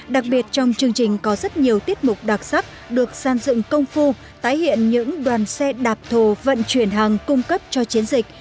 đặc biệt trong chương trình có rất nhiều tiết mục đặc sắc được sàn dựng công phu tái hiện những đoàn xe đạp thồ vận chuyển hàng cung cấp cho chiến dịch